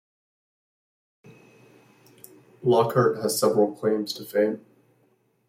Lockhart has several claims to fame.